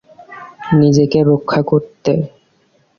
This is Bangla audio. নিজেকে রক্ষা করতে।